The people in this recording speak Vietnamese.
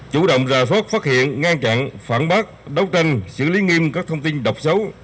chủ động rời phát hiện ngăn chặn phản bác đấu tranh xử lý nghiêm các thông tin độc xấu